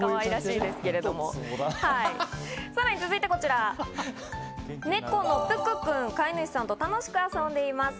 さらに続いてこちら、猫のぷくくん、飼い主さんと楽しく遊んでいます。